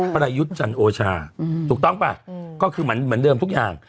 ประยุทธ์จันโอชาถูกต้องป่ะก็คือเหมือนเดิมทุกอย่าง